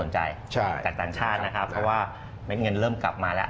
จากต่างชาตินะครับเพราะว่าเม็ดเงินเริ่มกลับมาแล้ว